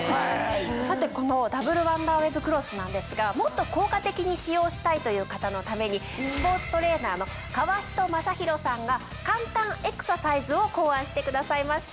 さてこのダブルワンダーウェーブクロスなんですがもっと効果的に使用したいという方のためにスポーツトレーナーの川人将裕さんが簡単エクササイズを考案してくださいました。